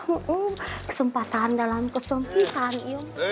hm kesempatan dalam kesempitan yuk